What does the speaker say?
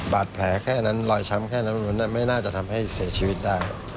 บาดแผลแค่นั้นรอยช้ำแค่นั้นไม่น่าจะทำให้เสียชีวิตได้